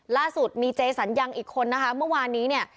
ล่าสุดมีเจสัญญังอีกคนนะคะเมื่อวานนี้เนี่ย